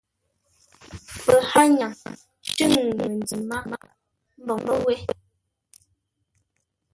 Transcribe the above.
Pəhányaŋ shʉ̂ŋ məndǐ mághʼə mboŋə́ wé.